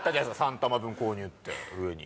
「３玉分購入」って上に。